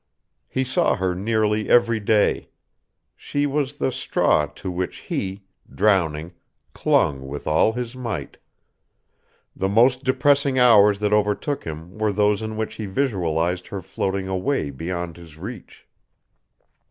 He saw her nearly every day. She was the straw to which he, drowning, clung with all his might. The most depressing hours that overtook him were those in which he visualized her floating away beyond his reach.